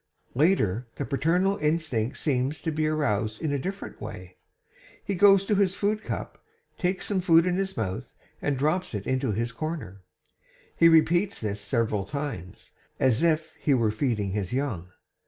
'Later the paternal instinct seems to be aroused in a different way. He goes to his food cup, takes some food in his mouth, and drops it into his corner. He repeats this several times, as if he were feeding his young.